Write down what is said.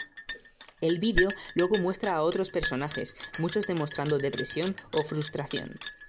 El video luego muestra a otros personajes, muchos demostrando depresión o frustración.